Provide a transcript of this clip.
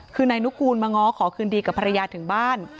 คือนายนุกูลมาง้อขอคืนดีกับภรรยาถึงบ้าน